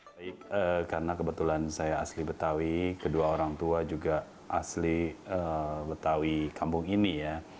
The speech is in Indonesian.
baik karena kebetulan saya asli betawi kedua orang tua juga asli betawi kampung ini ya